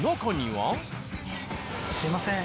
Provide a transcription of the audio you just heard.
すいません。